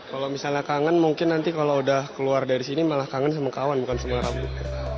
kalau misalnya kangen mungkin nanti kalau udah keluar dari sini malah kangen sama kawan bukan semua rambu